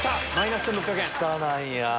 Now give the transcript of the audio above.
下なんや。